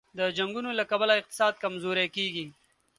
د جنګونو له کبله اقتصاد کمزوری کېږي.